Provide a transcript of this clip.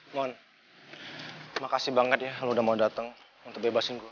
mohon makasih banget ya lu udah mau dateng untuk bebasin gue